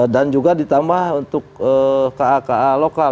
dan juga ditambah untuk ka ka lokal